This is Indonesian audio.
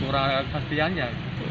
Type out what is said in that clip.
kurang pastian ya